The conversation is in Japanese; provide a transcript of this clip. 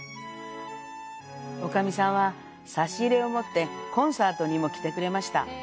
女将さんは差し入れを持ってコンサートにも来てくれました。